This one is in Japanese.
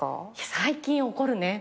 最近怒るね。